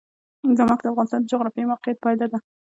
نمک د افغانستان د جغرافیایي موقیعت پایله ده.